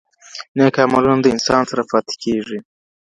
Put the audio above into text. نیک عملونه د انسان سره پاتې کیږي.